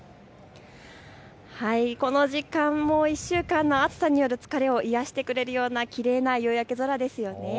この時間も１週間の暑さによる疲れを癒やしてくれるようなきれいな夕焼け空ですよね。